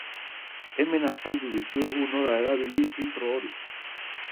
Hemen azaldu dizuegu nola erabili filtro hori.